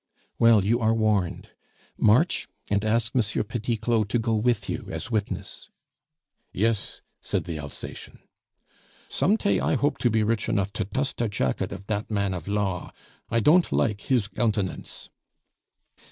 "Well, you are warned. March, and ask M. Petit Claud to go with you as witness." "Yes," said the Alsacien. "Some tay I hope to be rich enough to dust der chacket of dat man of law. I don't like his gountenance."